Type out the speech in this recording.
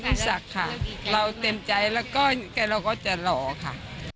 ไม่เป็นอีศักดิ์ค่ะเราเต็มใจแล้วก็จะหล่อค่ะ